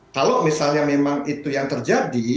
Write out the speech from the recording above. kalau misalnya memang itu yang terjadi